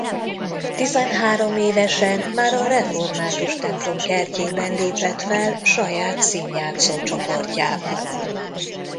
Tizenhárom évesen már a református templom kertjében lépett fel saját színjátszó csoportjával.